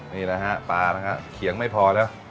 นี่แหละฮะปลานะครับเขียงไม่พอแล้ว